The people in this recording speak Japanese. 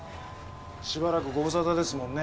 しばらくご無沙汰ですもんね。